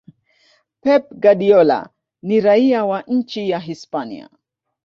Pep Guardiola ni raia wa nchi ya Hispania